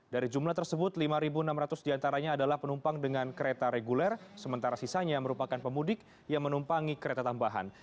dari jumlah tersebut lima enam ratus diantaranya adalah penumpang dengan kereta reguler sementara sisanya merupakan pemudik yang menumpangi kereta tambahan